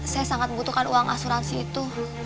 saya sangat membutuhkan uang asuransi itu